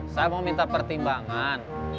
saya mau minta pertimbangan